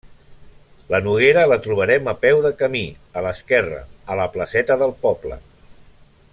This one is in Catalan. La noguera la trobarem a peu de camí, a l'esquerra, a la placeta del poble.